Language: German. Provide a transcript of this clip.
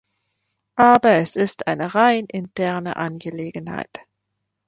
Aber es ist eine rein interne Angelegenheit.